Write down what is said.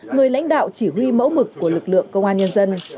người lãnh đạo chỉ huy mẫu mực của lực lượng công an nhân dân